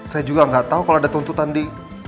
saya juga gak tau kalau ada tuntutan di